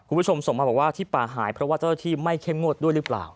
คุณผู้ชมส่งมาบอกว่าที่ป่าหายเพราะว่าเจ้าหน้าที่ไม่เข้มงวดด้วยหรือเปล่า